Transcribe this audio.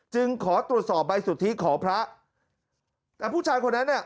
ขอตรวจสอบใบสุทธิของพระแต่ผู้ชายคนนั้นน่ะ